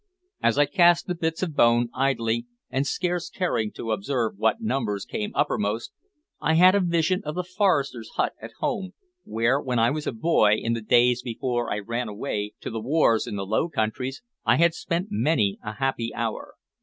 As I cast the bits of bone, idly, and scarce caring to observe what numbers came uppermost, I had a vision of the forester's hut at home, where, when I was a boy, in the days before I ran away to the wars in the Low Countries, I had spent many a happy hour.